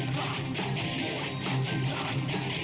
สุดท้าย